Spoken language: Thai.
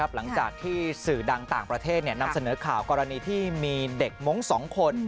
หลังจากที่สื่อดังต่างประเทศนำเสนอข่าวกรณีที่มีเด็กมงค์๒คน